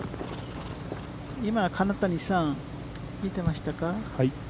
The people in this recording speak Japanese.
今、金谷さん、見てましたか。